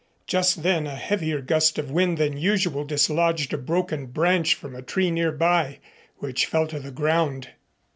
Just then a heavier gust of wind than usual dislodged a broken branch from a tree nearby, which fell to the ground.